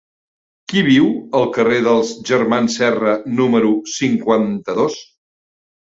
Qui viu al carrer dels Germans Serra número cinquanta-dos?